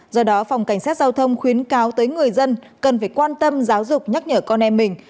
do đó phòng cảnh sát giao thông khuyến cáo tới người dân cần phải quan tâm giáo dục nhắc nhở con em mình